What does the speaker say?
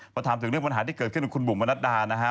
พอถามถึงเรื่องปัญหาที่เกิดขึ้นกับคุณบุ๋มมนัดดานะฮะ